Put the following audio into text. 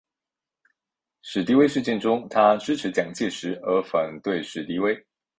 史迪威事件中他支持蒋介石而反对史迪威。